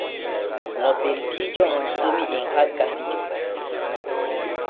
No beldiijo am somi men hagga fijo.